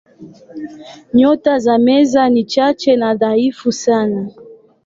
Nyota za Meza ni chache na dhaifu sana.